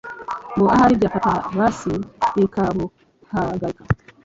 ngo ahari byafata hasi bikabuhagarika,